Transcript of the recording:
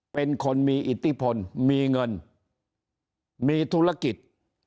เป็นคนมีอิทธิพลมีเงินมีธุรกิจ